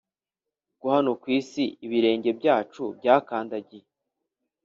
ko hano kwisi ibirenge byacu byakandagiye